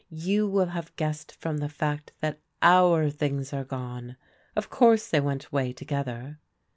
' You will have guessed from the fact that our things are gone.' Of course they went away together."